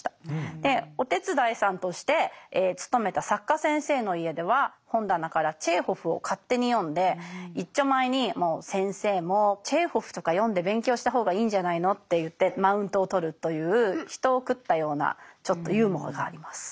でお手伝いさんとして勤めた作家先生の家では本棚からチェーホフを勝手に読んでいっちょまえに「先生もチェーホフとか読んで勉強した方がいいんじゃないの」って言ってマウントをとるという人を食ったようなちょっとユーモアがあります。